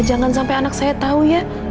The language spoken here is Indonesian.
jangan sampai anak saya tahu ya